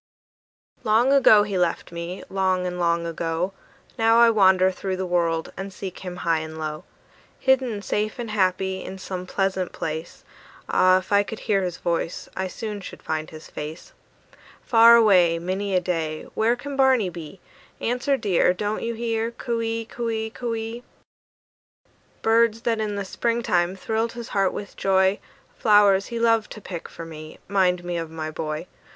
Long ago he left me, long and long ago: Now I wander through the world and seek him high and low; Hidden safe and happy, in some pleasant place, Ah, if I could hear his voice, I soon should find his face. Far away, Many a day, Where can Barney be? Answer, dear, Don't you hear? "Coo ee, coo ee, coo ee!" Birds that in the spring time thrilled his heart with joy, Flowers he loved to pick for me, 'mind me of my boy.